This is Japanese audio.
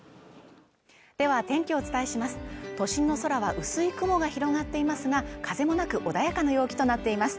では天気をお伝えします都心の空は薄い雲が広がっていますが、風もなく穏やかな陽気となっています。